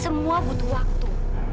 semua butuh waktu